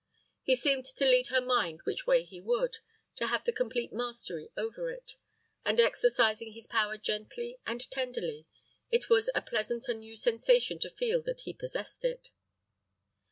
He seemed to lead her mind which way he would; to have the complete mastery over it; and exercising his power gently and tenderly, it was a pleasant and a new sensation to feel that he possessed it.